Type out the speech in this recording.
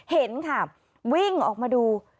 เห็นค่ะวิ่งออกมาดู